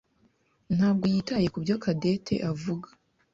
ntabwo yitaye kubyo Cadette avuga.